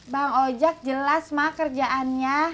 bang ojak jelas mah kerjaannya